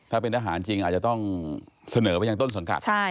ถ้าเป็นทหารจริงอาจจะต้องเสนอไปยังต้นสังกัด